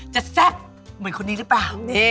แซ่บเหมือนคนนี้หรือเปล่า